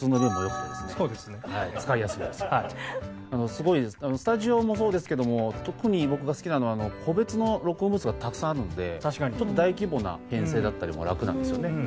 すごいスタジオもそうですけども特に僕が好きなのは個別の録音ブースがたくさんあるのでちょっと大規模な編成だったりもラクなんですよね。